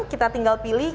kita tinggal pilih menu